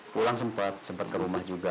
pulang sempet sempet ke rumah juga